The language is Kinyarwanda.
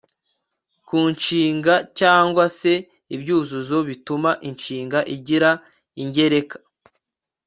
ku nshinga cyangwa se ibyuzuzo bituma inshinga igira ingereka